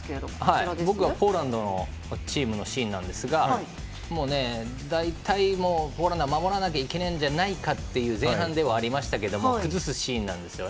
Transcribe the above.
僕はポーランドのチームのシーンなんですが大体、ポーランドは守らなきゃいけないんじゃないかという前半ではありましたけど崩すシーンです。